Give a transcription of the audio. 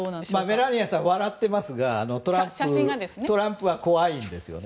メラニアさんは笑っていますがトランプは怖いんですよね。